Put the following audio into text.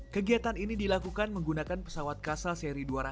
kegiatan ini dilakukan menggunakan pesawat kasal seri dua ratus